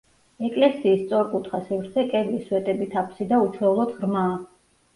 ეკლესიის სწორკუთხა სივრცე კედლის სვეტებით აფსიდა უჩვეულოდ ღრმაა.